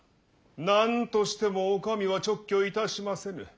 何としてもお上は勅許いたしませぬ。